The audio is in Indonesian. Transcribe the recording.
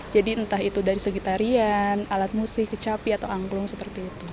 jadi entah itu dari segitarian alat musik kecapi atau angklung seperti itu